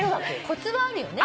コツはあるよね。